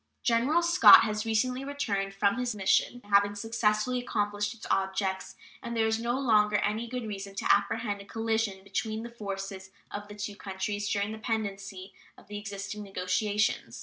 General Scott has recently returned from his mission, having successfully accomplished its objects, and there is no longer any good reason to apprehend a collision between the forces of the two countries during the pendency of the existing negotiations.